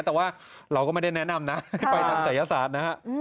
แต่ว่าเราก็ไม่ได้แนะนำนะที่ไปทางศัยศาสตร์นะฮะ